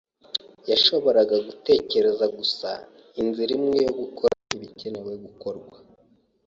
yashoboraga gutekereza gusa inzira imwe yo gukora ibikenewe gukorwa.